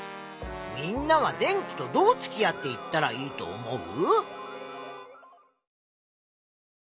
みんなは電気とどうつきあっていったらいいと思う？